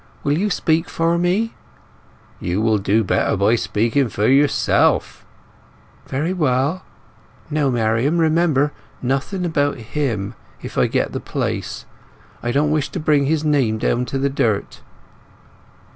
Will you speak for me?" "You will do better by speaking for yourself." "Very well. Now, Marian, remember—nothing about him if I get the place. I don't wish to bring his name down to the dirt."